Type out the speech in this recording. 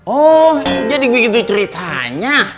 oh jadi begitu ceritanya